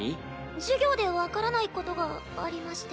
授業で分からないことがありまして。